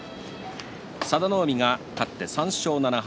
佐田の海が勝って３勝７敗。